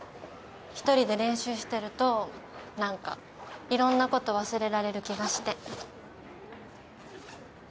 １人で練習してると何かいろんなこと忘れられる気がして。